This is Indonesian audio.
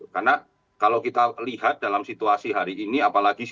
karena kalau kita lihat dalam situasi hari ini apalagi situasi